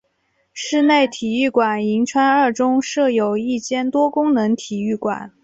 室内体育馆银川二中设有一间多功能体育馆。